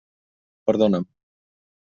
Perdona'm.